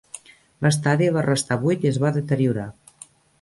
L'estadi va restar buit i es va deteriorar.